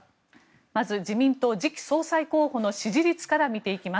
まず、自民党次期総裁候補の支持率から見ていきます。